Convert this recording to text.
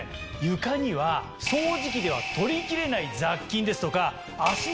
床には掃除機では取りきれない雑菌ですとか。